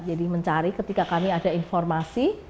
jadi mencari ketika kami ada informasi